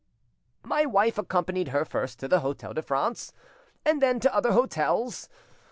"My wife accompanied her first to the Hotel de France, and then to other hotels.